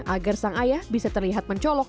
agar sang ayah bisa terlihat mencolok